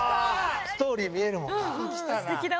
ストーリー見えるもんな。